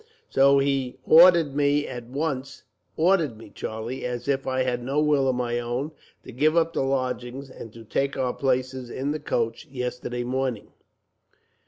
So he ordered me at once ordered me Charlie, as if I had no will of my own to give up the lodgings, and to take our places in the coach, yesterday morning.